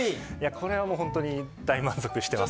これは本当大満足しています。